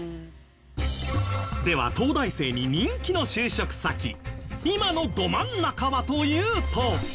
では東大生に人気の就職先今のど真ん中はというと。